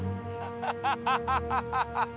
ハハハハハッ！